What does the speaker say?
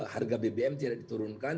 harga bbm tidak diturunkan